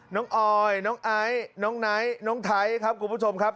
น้องออยน้องไอน้องไหนน้องไทครับคุณผู้ชมครับ